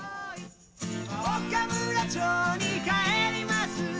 「岡村町に帰ります」